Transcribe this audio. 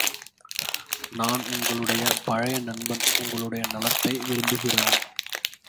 நான் உங்களுடைய பழைய நண்பன் உங்களுடைய நலத்தை விரும்புகிறவன்.